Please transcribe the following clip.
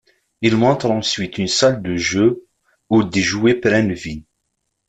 Il montre ensuite une salle de jeux où des jouets prennent vie.